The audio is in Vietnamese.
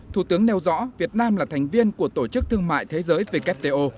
thủ tướng nêu rõ việt nam là thành viên của tổ chức thương mại thế giới wto